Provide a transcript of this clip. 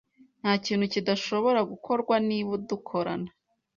Ntakintu kidashobora gukorwa niba dukorana.